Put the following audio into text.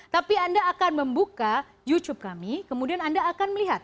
tapi anda akan membuka youtube kami kemudian anda akan melihat